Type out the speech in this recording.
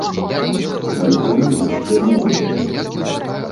Альбом яшчэ не выдалі.